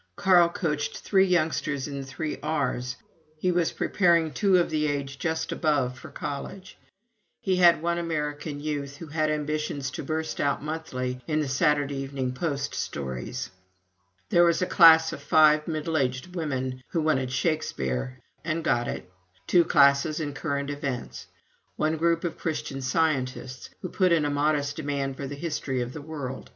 Carl coached three youngsters in the three R's; he was preparing two of the age just above, for college; he had one American youth, who had ambitions to burst out monthly in the "Saturday Evening Post" stories; there was a class of five middle aged women, who wanted Shakespeare, and got it; two classes in Current Events; one group of Christian Scientists, who put in a modest demand for the history of the world.